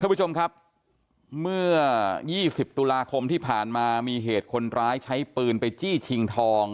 ผู้ชมครับเมื่อ๒๐ตุลาคมที่ผ่านมามีเหตุคนร้ายใช้ปืนไปจี้ชิงทอง